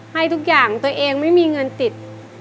ให้ทุกอย่างตัวเองไม่มีเงินติด